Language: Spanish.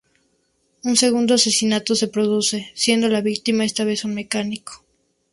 Un segundo asesinato se produce, siendo la víctima esta vez un mecánico.